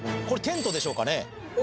これテントでしょうかね。